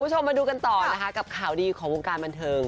คุณผู้ชมมาดูกันต่อนะคะกับข่าวดีของวงการบันเทิง